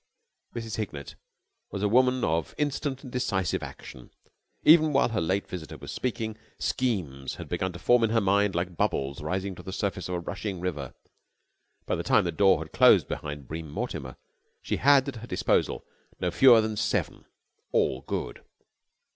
Mrs. Hignett was a woman of instant and decisive action. Even while her late visitor was speaking schemes had begun to form in her mind like bubbles rising to the surface of a rushing river. By the time the door had closed behind Bream Mortimer she had at her disposal no fewer than seven, all good.